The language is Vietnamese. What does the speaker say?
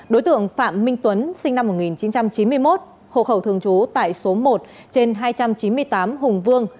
đối tượng phạm minh tuấn sinh năm một nghìn chín trăm chín mươi một hộ khẩu thường trú tại số một trên hai trăm chín mươi tám hùng vương